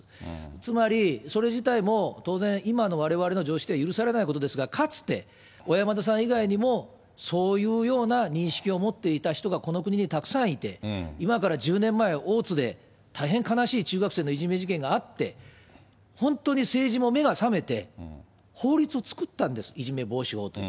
つまりそれ自体も当然、今のわれわれの常識では許されないことですが、かつて小山田さん以外にもそういうような認識を持っていた人がこの国にたくさんいて、今から１０年前、大津で大変悲しい中学生のいじめ事件があって、本当に政治も目が覚めて、法律を作ったんです、いじめ防止法という。